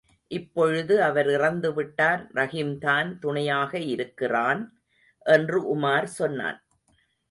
இப்பொழுது அவர் இறந்துவிட்டார், ரஹீம்தான் துணையாக இருக்கிறான், என்று உமார் சொன்னான்.